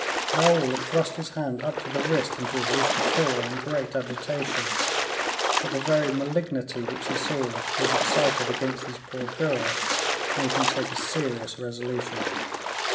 Raoul had thrust his hand up to the wrist into his justaucorps in great agitation. But the very malignity which he saw was excited against these poor girls made him take a serious resolution.